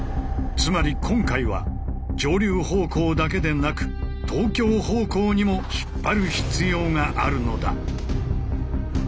つまり今回は上流方向だけでなく東京方向にも引っ張る必要があるのだ。